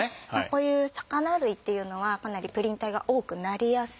こういう魚類というのはかなりプリン体が多くなりやすいので。